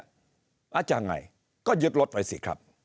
อาจจะไงก็ยึดรถไปสิครับ